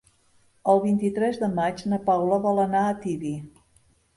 El vint-i-tres de maig na Paula vol anar a Tibi.